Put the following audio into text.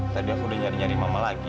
tadi aku udah nyari nyari mama lagi